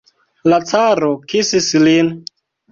La caro kisis lin.